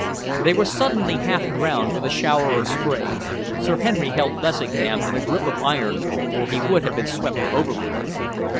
They were suddenly half drowned with a shower of spray. Sir Henry held Lessingham in a grip of iron, or he would have been swept overboard.